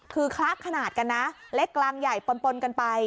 คือคละขนาดกันนะเล็กกลางใหญ่ปนกันไป